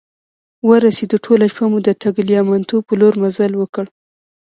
ورسیدو، ټوله شپه مو د ټګلیامنتو په لور مزل وکړ.